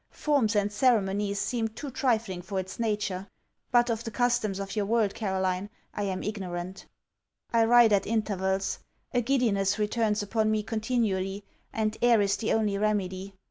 Forms and ceremonies seem too trifling for its nature. But of the customs of your world, Caroline, I am ignorant. I write at intervals a giddiness returns upon me continually, and air is the only remedy.